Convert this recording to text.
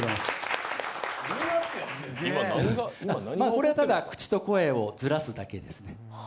これはただ、口と声をずらすだけですね。